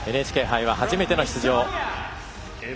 ＮＨＫ杯は初めての出場。